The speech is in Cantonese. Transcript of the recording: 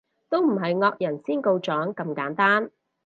都唔係惡人先告狀咁簡單